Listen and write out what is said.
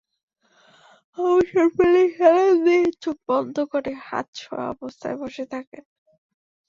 অবসর পেলেই হেলান দিয়ে চোখ বন্ধ করে আধশোয়া অবস্থায় বসে থাকেন।